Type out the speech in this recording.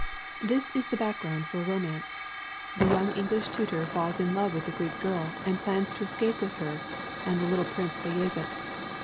This is the background for a romance. The young English tutor falls in love with the Greek girl and plans to escape with her and the little Prince Bayazet.